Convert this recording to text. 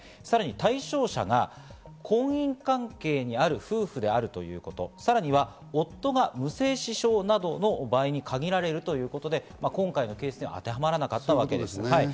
さらに対象者、婚姻関係にある夫婦であるということ、さらには夫が無精子症などの場合に限られるということで今回のケースに当てはまらなかったわけです。